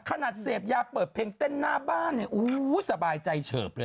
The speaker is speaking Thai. ขนาดเสพยาเปิดเพลงเต้นหน้าบ้านเนี่ยสบายใจเฉิบเลย